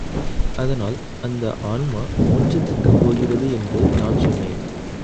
அதனால், அந்த ஆன்மா மோட்சத்துக்குப் போகிறது என்று நான் சொன்னேன்.